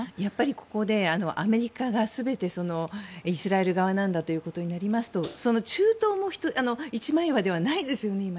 ここでアメリカが全てイスラエル側なんだということになりますとその中東も一枚岩ではないですよね、今。